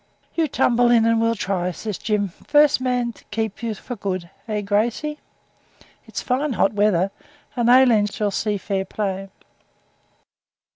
'You tumble in and we'll try,' says Jim; 'first man to keep you for good eh, Gracey? It's fine hot weather, and Aileen shall see fair play.'